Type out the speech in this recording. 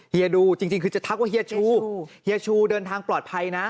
ดูจริงคือจะทักว่าเฮียชูเฮียชูเดินทางปลอดภัยนะ